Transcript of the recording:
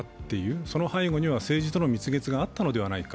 その背後には政治との蜜月があったのではないか。